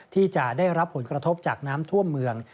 ที่จะได้รับผลกระทบจากน้ำท่วมเมือง